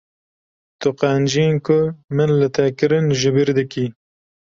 Tu qenciyên ku min li te kirin ji bir dikî.